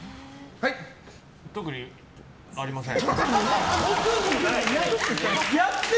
特にありません。